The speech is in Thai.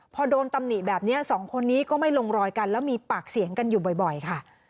พอโดนตำหนิแบบนี้สองคนนี้ก็ไม่ลงรอยกันแล้วมีปากเสียงกันอยู่บ่อยค่ะ